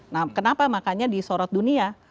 nah kenapa makanya di sorot dunia